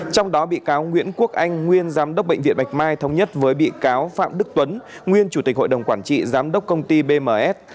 trong đó bị cáo nguyễn quốc anh nguyên giám đốc bệnh viện bạch mai thống nhất với bị cáo phạm đức tuấn nguyên chủ tịch hội đồng quản trị giám đốc công ty bms